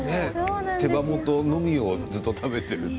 手羽元のみをずっと食べているって。